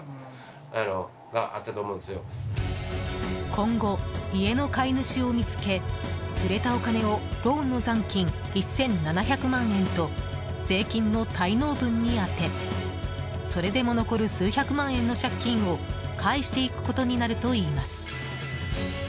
今後、家の買い主を見つけ売れたお金をローンの残金１７００万円と税金の滞納分に充てそれでも残る数百万円の借金を返していくことになるといいます。